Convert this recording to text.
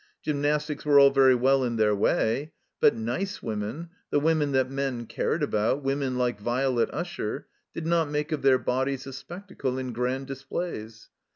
Gymnastics were all very well in their 'way. But nice women, the women that men cared about, women like Violet Usher, did not make of their bodies a spectacle in Grand Displays.